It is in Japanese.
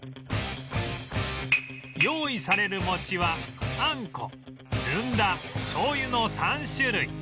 用意される餅はあんこずんだ醤油の３種類